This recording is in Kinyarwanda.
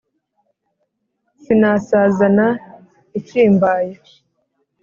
sinasazana ikimbaye